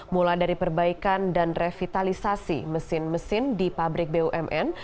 mulai dari perbaikan dan revitalisasi mesin mesin di pabrik bumn